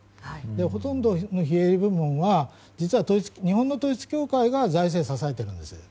ほとんどの非営利部分は日本の統一教会が財政を支えているんですよ。